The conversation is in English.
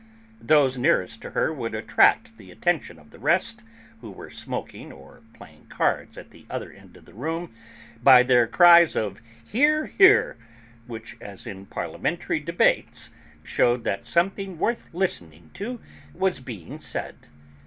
Those nearest to her would attract the attention of the rest, who were smoking or playing cards at the other end of the room, by their cries of 'Hear, hear!' which, as in Parliamentary debates, shewed that something worth listening to was being said.